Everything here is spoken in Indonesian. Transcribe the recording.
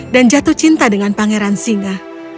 dan jatuh cinta dengan pangeran singa